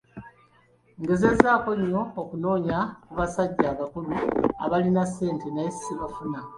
Ngezezzaako nnyo okunoonya ku basajja abakulu aabalina ssente naye sibafuna!